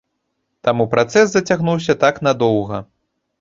Таму працэс зацягнуўся так надоўга.